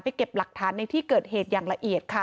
เก็บหลักฐานในที่เกิดเหตุอย่างละเอียดค่ะ